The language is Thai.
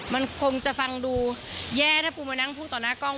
มันคงจะฟังดูแย่ถ้าปูมานั่งพูดต่อหน้ากล้อง